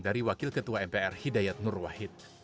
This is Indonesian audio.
dari wakil ketua mpr hidayat nur wahid